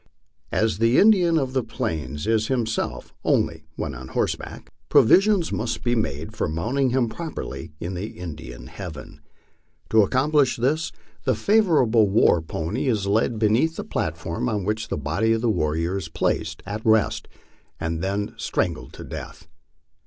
As the Indian of the Plains is himself only when on horseback, provision must be made for mount iHg him properly in the Indian heaven. To accomplish this, the favorite war MY LIFE ON THE PLAINS. 65 pony is led beneath the platform on which the body of the warrior is placed at rest, and there strangled to death.